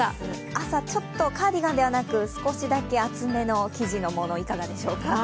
朝、ちょっとカーディガンではなく少しだけ厚めの生地のものいかがでしょうか。